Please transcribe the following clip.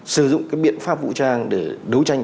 sử dụng biện pháp vũ trang để đối tranh